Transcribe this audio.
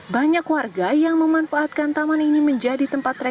banyak warga yang memanfaatkan taman ini menjadi tempat reklam